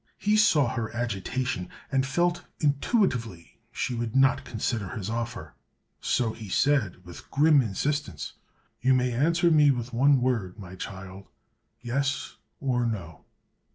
He saw her agitation and felt intuitively she would not consider his offer. So he said, with grim insistence: "You may answer me with one word, my child; yes or no."